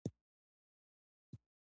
دوی انار او انګور صادروي.